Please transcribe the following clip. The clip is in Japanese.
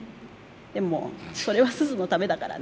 でもそれはスズのためだからね。